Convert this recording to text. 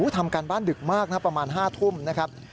ทำการบ้านดึกมากนะประมาณ๕ทุ่มนะครับ